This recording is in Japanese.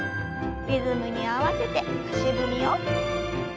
リズムに合わせて足踏みを。